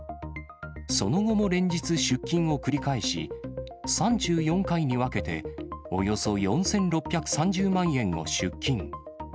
その後も連日、出金を繰り返し、３４回に分けて、およそ４６３０万円を出金。